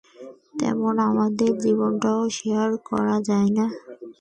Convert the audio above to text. তেমনই, আমাদের জীবনটাও শেয়ার করা যায় না?